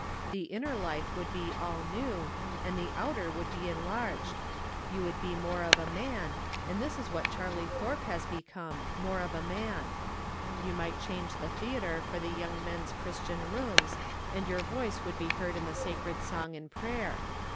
The inner life would be all new, and the outer would be enlarged. You would be more of a man, and this is what Charley Thorpe has be 78 From Different Standpoints. come — ^more of a man. You might exchange the theatre for the Young Men's Christian Eooms, and your voice would be heard in the sacred song and prayer.